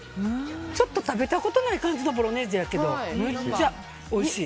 ちょっと食べたことない感じのボロネーゼやけどむっちゃおいしい！